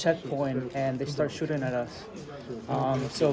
dan kami mengejarkan pojok dan mereka mulai menembak kami